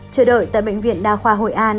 chờ đợi tại bệnh viện đa khoa hội an